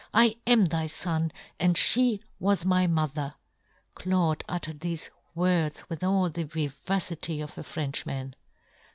I " am thy fon, and fhe was my " mother !" Claude uttered thefe words with all the vivacity of a Frenchman.